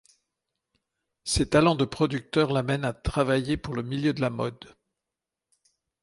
Ses talents de producteur l’amènent à travailler pour le milieu de la mode.